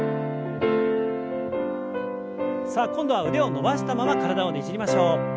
さあ今度は腕を伸ばしたまま体をねじりましょう。